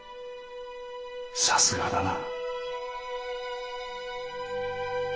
さすがだな。